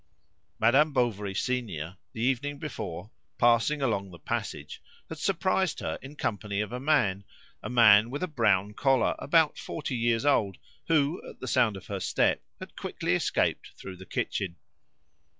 Madame Bovary senior, the evening before, passing along the passage, had surprised her in company of a man a man with a brown collar, about forty years old, who, at the sound of her step, had quickly escaped through the kitchen.